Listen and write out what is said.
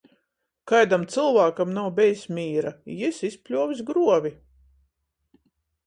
Kaidam cylvākam nav bejs mīra, i jis izpļuovs gruovi.